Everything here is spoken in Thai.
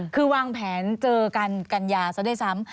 คือวางแผนเจอกันกัญญาซะด้วยซ้ำ